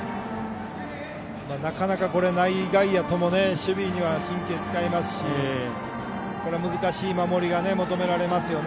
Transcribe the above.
なかなか、これは内外野とも守備には神経使いますし難しい守りが求められますよね。